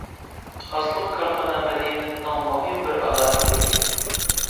خاسلىق كارخانا مەدەنىيىتىنىڭ مۇھىم بىر ئالاھىدىلىكى.